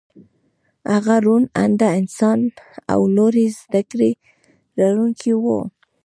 هغه روڼ انده انسان او لوړې زدکړې لرونکی و